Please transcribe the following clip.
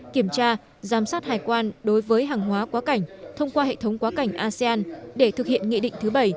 kiểm tra giám sát hải quan đối với hàng hóa quá cảnh thông qua hệ thống quá cảnh asean để thực hiện nghị định thứ bảy